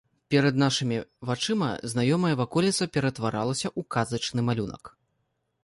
Перад нашымі вачыма знаёмая ваколіца ператваралася ў казачны малюнак.